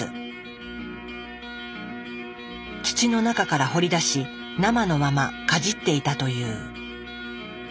土の中から掘り出し生のままかじっていたという。